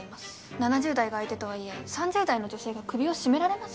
７０代が相手とはいえ３０代の女性が首を絞められます？